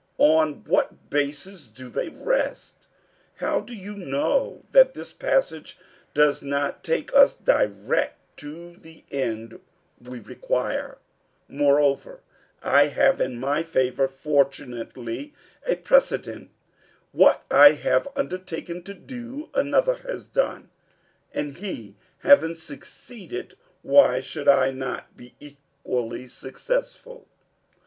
"On what basis do they rest? How do you know that this passage does not take us direct to the end we require? Moreover, I have in my favor, fortunately, a precedent. What I have undertaken to do, another has done, and he having succeeded, why should I not be equally successful?"